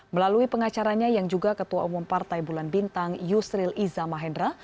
melalui pengacaranya yang juga ketua umum partai bulan bintang yusril iza mahendra